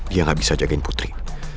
dia gak bisa jagain putri